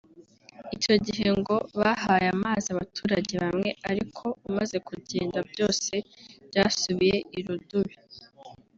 icyo gihe ngo bahaye amazi abaturage bamwe ariko umaze kugenda byose byasubiye irudubi